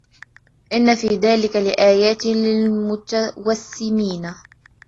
إِنَّ فِي ذَلِكَ لَآيَاتٍ لِلْمُتَوَسِّمِينَ